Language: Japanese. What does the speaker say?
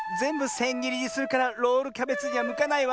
せんぎりにするからロールキャベツにはむかないわ。